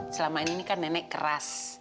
selama ini kan nenek keras